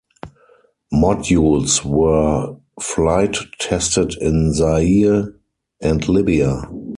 Modules were flight tested in Zaire and Libya.